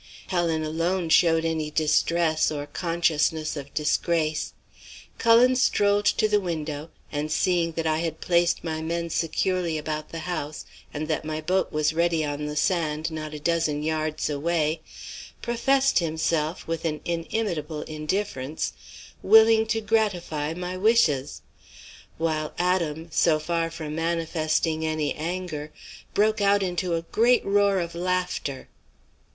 Helen alone showed any distress or consciousness of disgrace. Cullen strolled to the window, and seeing that I had placed my men securely about the house and that my boat was ready on the sand not a dozen yards away, professed himself, with an inimitable indifference, willing to gratify my wishes; while Adam, so far from manifesting any anger, broke out into a great roar of laughter.